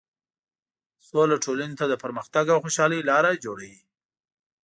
سوله ټولنې ته د پرمختګ او خوشحالۍ لاره جوړوي.